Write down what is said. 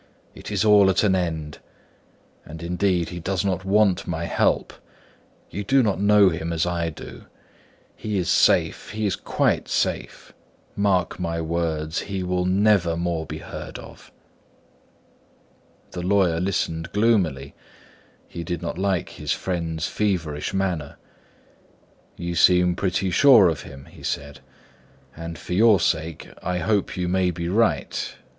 It is all at an end. And indeed he does not want my help; you do not know him as I do; he is safe, he is quite safe; mark my words, he will never more be heard of." The lawyer listened gloomily; he did not like his friend's feverish manner. "You seem pretty sure of him," said he; "and for your sake, I hope you may be right.